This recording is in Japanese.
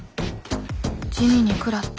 地味に食らった。